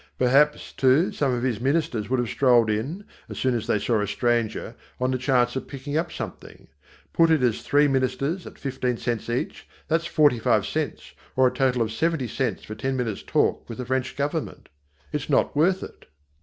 Perhaps, too, some of his ministers would have strolled in, as soon as they saw a stranger, on the chance of picking up something. Put it as three ministers at fifteen cents each, that's forty five cents or a total of seventy cents for ten minutes' talk with the French Government. It's not worth it.